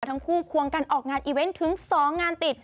ควงกันออกงานอีเวนต์ถึง๒งานติด